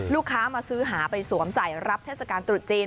ลูกค้ามาซื้อหาไปสวมใส่รับเทศกาลตรุษจีน